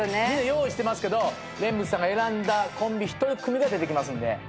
用意してますけど蓮佛さんが選んだコンビ１組が出てきますんで。